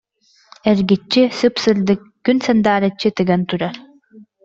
Эргиччи сып-сырдык, күн сандаарыччы тыган турар